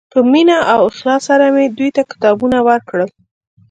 په مینه او اخلاص سره مې دوی ته کتابونه ورکړل.